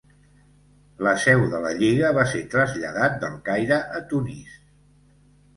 La seu de la Lliga va ser traslladat del Caire a Tunis.